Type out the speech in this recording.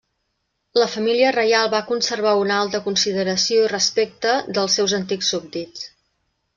La família reial va conservar una alta consideració i respecte dels seus antics súbdits.